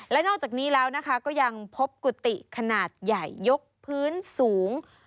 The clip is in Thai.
และนอกจากนี้แล้วนะคะก็ยังพบกุฏิขนาดใหญ่ยกพื้นสูง